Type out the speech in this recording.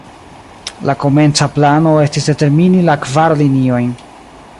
La komenca plano estis determini la kvar liniojn.